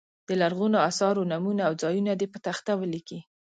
د لرغونو اثارو نومونه او ځایونه دې په تخته ولیکي.